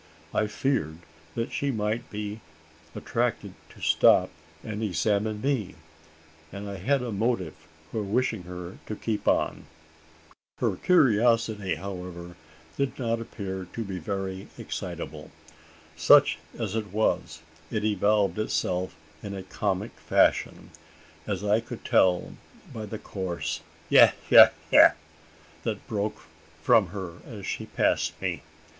I feared that she might be attracted to stop and examine me; and I had a motive for wishing her to keep on. Her curiosity, however, did not appear to be very excitable. Such as it was, it evolved itself in a comic fashion as I could tell by the coarse "Yah, yah, yah!" that broke from her as she passed me.